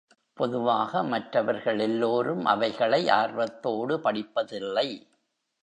பொதுவாக மற்றவர்கள் எல்லோரும் அவைகளை ஆர்வத்தோடு படிப்பதில்லை.